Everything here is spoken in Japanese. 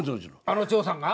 あの長さんが？